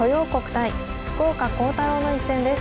対福岡航太朗の一戦です。